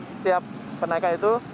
setiap penaikan itu